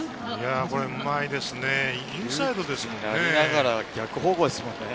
うまいですね、インサイドですからね。